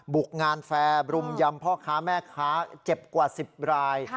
บุกงานแฟร์บรุมยำพ่อค้าแม่ค้าเจ็บกว่า๑๐ราย